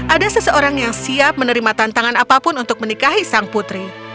ada seseorang yang siap menerima tantangan apapun untuk menikahi sang putri